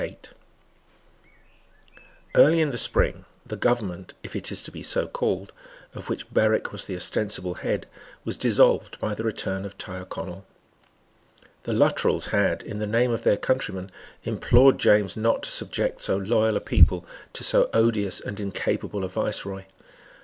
Early in the spring the government, if it is to be so called, of which Berwick was the ostensible head, was dissolved by the return of Tyrconnel. The Luttrells had, in the name of their countrymen, implored James not to subject so loyal a people to so odious and incapable a viceroy.